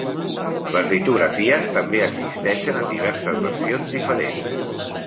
Les litografies també existeixen en diverses versions diferents.